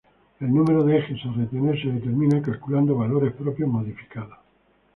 El número de ejes a retener se determina calculando valores propios modificados.